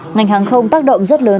ngành hàng không tác động rất lớn